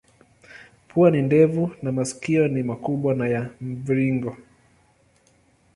Pua ni ndefu na masikio ni makubwa na ya mviringo.